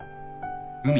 海？